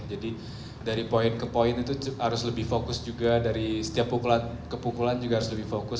jadi dari poin ke poin itu harus lebih fokus juga dari setiap pukulan ke pukulan juga harus lebih fokus